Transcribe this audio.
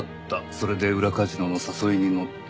それで裏カジノの誘いにのった。